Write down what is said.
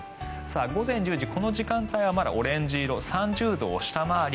午前１０時この時間帯はまだオレンジ色３０度を下回り